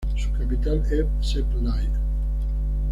Su capital es Sept-Îles.